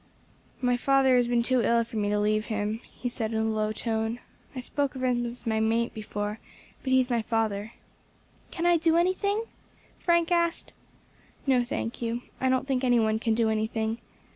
"My father has been too ill for me to leave him," he said, in a low tone. "I spoke of him as my mate before, but he is my father." "Can I do anything?" Frank asked. "No, thank you; I don't think any one can do anything.